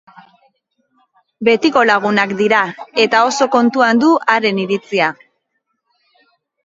Betiko lagunak dira, eta oso kontuan du haren iritzia.